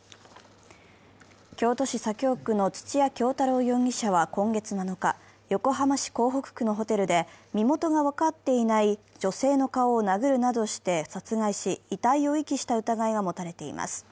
京都市左京区の土屋京多郎容疑者は今月７日、横浜市港北区のホテルで身元が分かっていない女性の顔を殴るなどして殺害し、遺体を遺棄した疑いが持たれています。